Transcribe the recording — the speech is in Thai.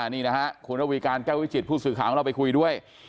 นี่นะฮะคุณระวีการแก้ววิจิตผู้สื่อข่าวของเราไปคุยด้วย